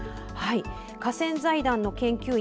河川財団の研究員